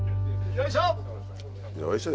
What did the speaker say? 「よいしょ！」